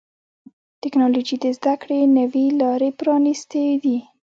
ټکنالوجي د زدهکړې نوي لارې پرانستې دي.